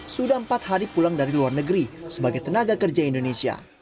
sudah empat hari pulang dari luar negeri sebagai tenaga kerja indonesia